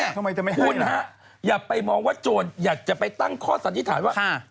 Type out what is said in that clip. ทำไมทำไมคุณฮะอย่าไปมองว่าโจรอยากจะไปตั้งข้อสันนิษฐานว่า